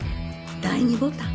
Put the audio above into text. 第ニボタン。